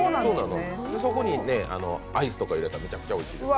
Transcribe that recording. そこにアイスとか入れたらめちゃくちゃおいしいです。